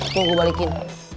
tuh gue balikin